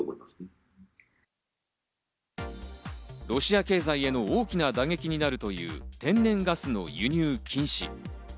ロシア経済への大きな打撃になるという天然ガスの輸入禁止。